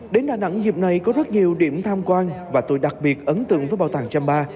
đến đà nẵng dịp này có rất nhiều điểm tham quan và tôi đặc biệt ấn tượng với bảo tàng champa